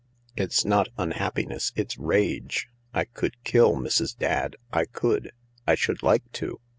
" It's not unhappiness. It's rage. I could kill Mrs. Dadd. I could. I should like to.